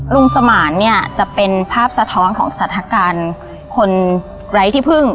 ลุงสม่านเนี่ยจะเป็นภาพสะท้อมของักษการคนไร้ที่พึ่ง